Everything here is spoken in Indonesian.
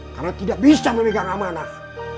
karena tidak bisa memegang amanah